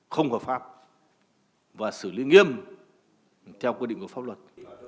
không hợp pháp và xử lý nghiêm theo quy định của pháp luật